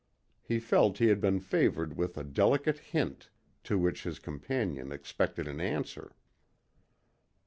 He felt he had been favoured with a delicate hint, to which his companion expected an answer.